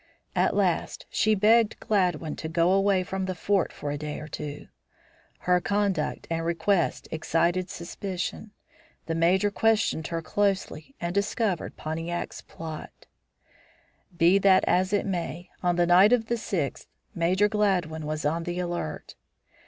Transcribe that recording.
At last she begged Gladwin to go away from the fort for a day or two. Her conduct and request excited suspicion. The Major questioned her closely and discovered Pontiac's plot. [Illustration: BETRAYAL OF PONTIAC'S PLOT] Be that as it may, on the night of the sixth Major Gladwin was on the alert.